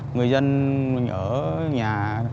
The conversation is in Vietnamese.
người dân ở nhà